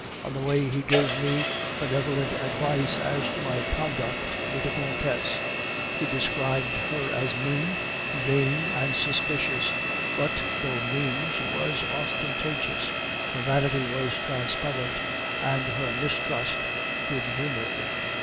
On the way he gave me benevolent advice as to my conduct with the countess; he described her as mean, vain, and suspicious; but though mean, she was ostentatious, her vanity was transparent, and her mistrust good humored.